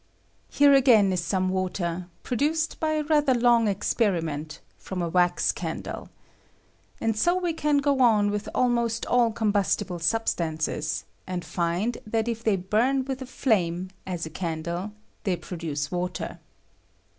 Here, again, is some water, produced by a rath er long experiment, from a wax candle, Aad so we can go on with almost all combustible substances, and find that if they bum with a flame, as a candle, they produce water.